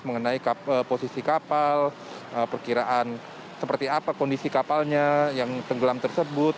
mengenai posisi kapal perkiraan seperti apa kondisi kapalnya yang tenggelam tersebut